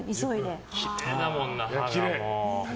きれいだもんな、歯が。